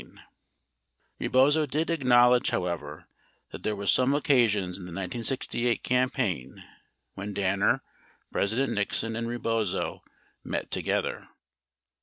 936 Eebozo did acknowledge, however, that there were some occasions in the 1968 campaign when Danner, President Nixon, and Eebozo met together.